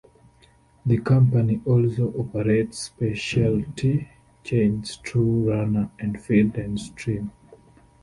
The company also operates specialty chains True Runner and Field and Stream.